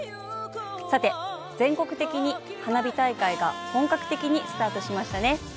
さて全国的に花火大会が本格的にスタートしましたね。